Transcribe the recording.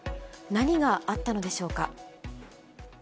何があったのでしょうか。